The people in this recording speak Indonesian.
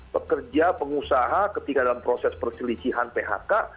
pekerja pengusaha ketika dalam proses perselisihan phk